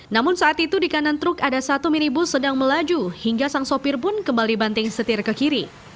namun saat itu di kanan truk ada satu minibus sedang melaju hingga sang sopir pun kembali banting setir ke kiri